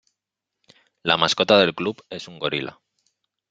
La mascota del club es un Gorila.